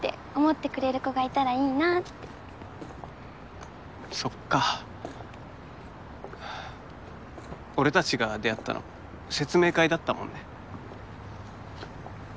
思ってくれる子がいたらいいなってそっか俺達が出会ったのも説明会だったもんね